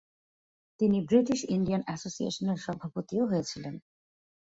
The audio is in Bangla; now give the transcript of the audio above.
তিনি ব্রিটিশ ইন্ডিয়ান অ্যাসোসিয়েশনের সভাপতিও হয়েছিলেন।